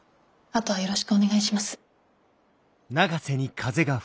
あとはよろしくお願いします。